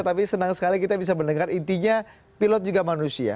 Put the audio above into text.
tapi senang sekali kita bisa mendengar intinya pilot juga manusia